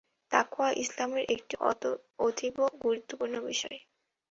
তাকওয়া ইসলামের একটি অতীব গুরুত্বপূর্ণ বিষয়।